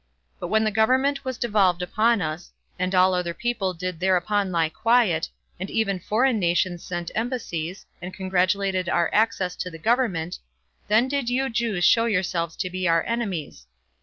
But when the government was devolved upon us, and all other people did thereupon lie quiet, and even foreign nations sent embassies, and congratulated our access to the government, then did you Jews show yourselves to be our enemies.